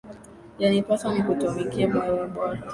Yanipasa nikutumikie wewe peke.